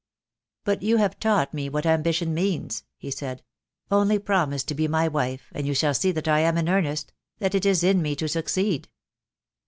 "But you have taught me what ambition means," he said. "Only promise to be my wife and you shall see that I am in earnest — that it is in me to succeed."